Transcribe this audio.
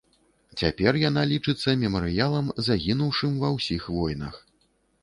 Цяпер яна лічыцца мемарыялам загінуўшым ва ўсіх войнах.